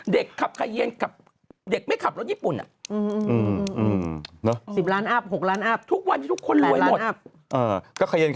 เด็กขับขายเย็น